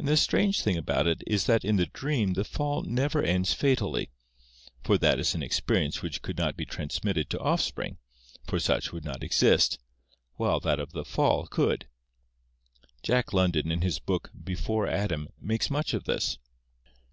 And the strange thing about it is that in the dream the fall never ends fa tally, for that is an experience which could not be transmitted to offspring, for such would not exist, while that of the fall could. Jack London in his book Before Adam makes much of this.